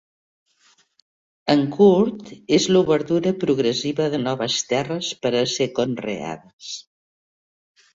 En curt, és l'obertura progressiva de noves terres per a ser conreades.